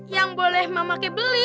yang boleh mama kek beli